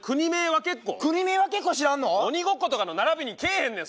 鬼ごっことかの並びにけえへんねん！